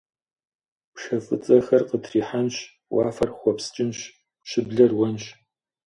Пшэ фӏыцӏэхэр къытрихьэнщ, уафэр хъуэпскӏынщ, щыблэр уэнщ.